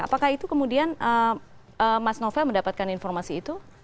apakah itu kemudian mas novel mendapatkan informasi itu